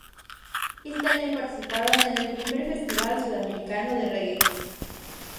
Ese año participaron del Primer Festival Sudamericano de Reggae.